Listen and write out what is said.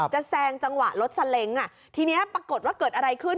แซงจังหวะรถซาเล้งทีนี้ปรากฏว่าเกิดอะไรขึ้น